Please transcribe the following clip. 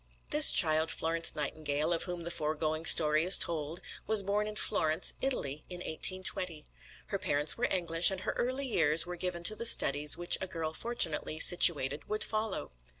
This child, Florence Nightingale, of whom the foregoing story is told, was born in Florence, Italy, in 1820. Her parents were English, and her early years were given to the studies which a girl fortunately situated would follow.